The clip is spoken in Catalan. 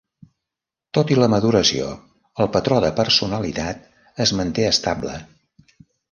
Tot i la maduració, el patró de personalitat es manté estable.